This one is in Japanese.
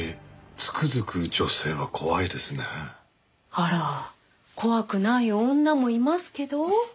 あら怖くない女もいますけど。